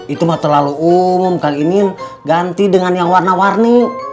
itu mah terlalu umum kang inin ganti dengan yang warna warni